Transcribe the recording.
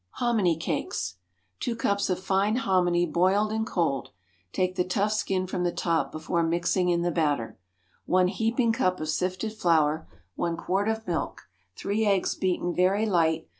Hominy Cakes. Two cups of fine hominy boiled and cold. (Take the tough skin from the top before mixing in the batter.) One heaping cup of sifted flour. One quart of milk. Three eggs beaten very light.